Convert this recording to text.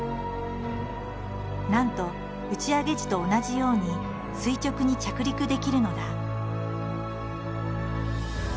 なんと打ち上げ時と同じように垂直に着陸できるのだ。